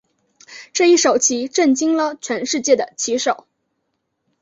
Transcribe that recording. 这一手棋震惊了全世界的棋手。